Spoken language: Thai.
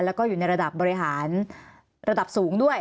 แล้วก็อยู่ในระดับบริหารระดับสูงด้วย